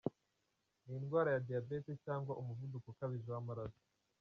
n’indwara ya Diabete cyangwa umuvuduko ukabije w’amaraso.